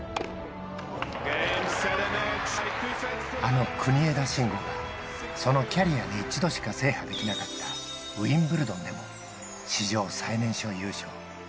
あの国枝慎吾が、そのキャリアで一度しか制覇できなかったウィンブルドンでも史上最年少優勝。